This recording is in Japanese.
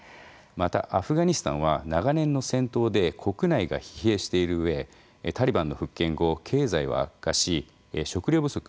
またアフガニスタンは長年の戦闘で国内が疲弊している上タリバンの復権後経済は悪化し食料不足も深刻化しています。